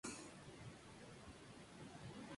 Efectivamente eso fue lo que ocurrió.